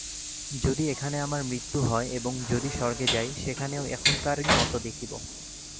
যদি এখানে আমার মৃত্যু হয় এবং যদি স্বর্গে যাই, সেখানেও এখানকারই মত দেখিব।